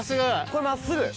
これ真っすぐ？